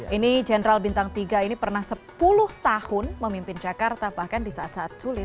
ini general bintang tiga ini pernah sepuluh tahun memimpin jakarta bahkan di saat saat sulit